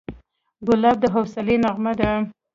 ګلاب د حوصلې نغمه ده.